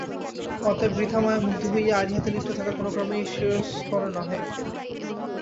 অতএব বৃথা মায়ায় মুগ্ধ হইয়া আর ইহাতে লিপ্ত থাকা কোন ক্রমেই শ্রেয়স্কর নহে।